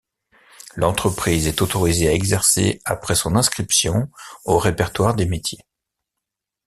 L'entreprise est autorisée à exercer après son inscription au répertoire des métiers.